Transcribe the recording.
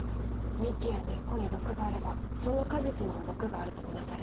幹や根っこに毒があればその果実にも毒があると見なされる。